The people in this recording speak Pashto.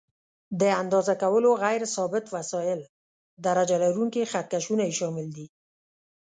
د اندازه کولو غیر ثابت وسایل: درجه لرونکي خط کشونه یې شامل دي.